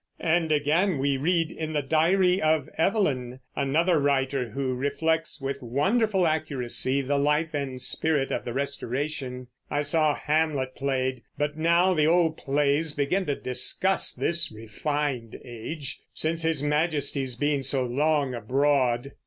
And again we read in the diary of Evelyn, another writer who reflects with wonderful accuracy the life and spirit of the Restoration, "I saw Hamlet played; but now the old plays begin to disgust this refined age, since his Majesty's being so long abroad."